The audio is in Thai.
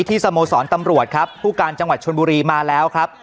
สโมสรตำรวจครับผู้การจังหวัดชนบุรีมาแล้วครับ